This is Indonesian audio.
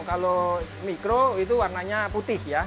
kalau mikro itu warnanya putih ya